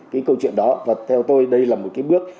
cái câu chuyện đó và theo tôi đây là một cái bước